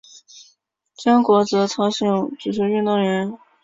姜国哲朝鲜足球运动员。